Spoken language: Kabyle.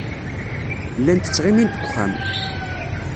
Llant ttɣimint deg wexxam.